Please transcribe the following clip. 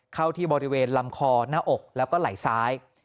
เข้าที่บริเวณลำคอหน้าอกแล้วก็ไหล่ซ้าย